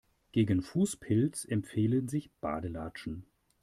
Gegen Fußpilz empfehlen sich Badelatschen.